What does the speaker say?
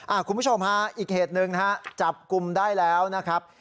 คุณผู้ชมฮะอีกเหตุหนึ่งนะฮะจับกลุ่มได้แล้วนะครับ